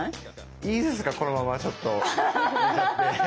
いいですかこのままちょっと寝ちゃって。